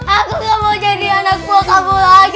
aku gak mau jadi anak buah kamu lagi